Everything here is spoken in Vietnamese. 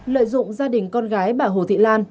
lợi dụng gia đình con gái bà hồ thị lan